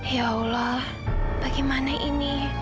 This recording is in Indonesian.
ya allah bagaimana ini